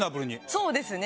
そうですね。